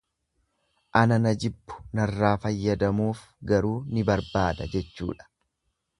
Ana na jibbu narraa fayyadamuuf garuu ni barbaadu jechuudha.